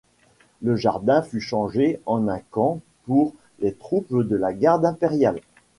Le jardin fut changé en un camp pour les troupes de la garde impériale.